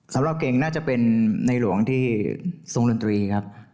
สำหรับเก่งน่าจะเป็นในหลวงที่ทรงดนตรีครับ